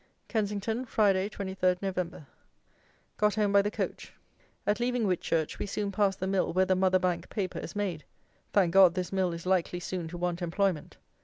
Kensington, Friday, 23 Nov. Got home by the coach. At leaving Whitchurch we soon passed the mill where the Mother Bank paper is made! Thank God, this mill is likely soon to want employment!